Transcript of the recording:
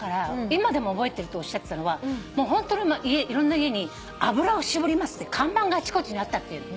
今でも覚えてるっておっしゃってたのはいろんな家に「油を搾ります」って看板があちこちにあったって言うの。